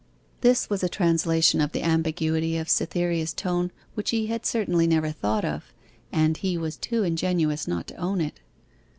This was a translation of the ambiguity of Cytherea's tone which he had certainly never thought of; and he was too ingenuous not to own it.